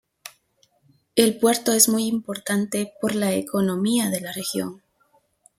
El puerto es muy importante por la economía de la región.